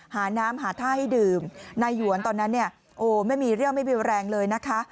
หาน้ำหาท่าให้ดื่มนายหวนตอนนั้นเนี่ยโอ้ไม่มีเรี่ยวไม่มีแรงเลยนะคะ